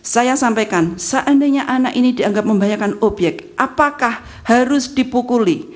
saya sampaikan seandainya anak ini dianggap membahayakan obyek apakah harus dipukuli